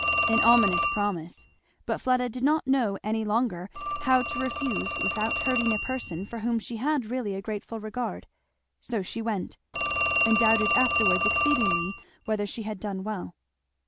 An ominous promise! but Fleda did not know any longer how, to refuse without hurting a person for whom she had really a grateful regard. So she went. And doubted afterwards exceedingly whether she had done well.